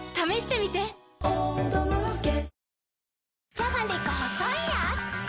じゃがりこ細いやーつ